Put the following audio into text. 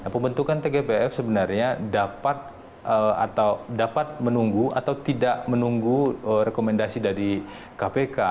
pembentukan tgpf sebenarnya dapat atau dapat menunggu atau tidak menunggu rekomendasi dari kpk